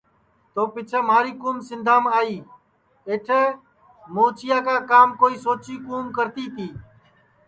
تو پیچھیں مہاری کُوم سندھام آئی اٹھے موچیا کا کام کوئی سوچی کُوم کرتی تی